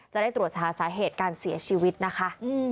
จะได้ตรวจหาสาเหตุการเสียชีวิตนะคะ